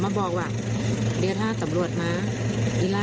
มันก็ต้องตามกฎหมาย